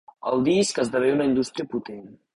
El disc esdevé una indústria potent.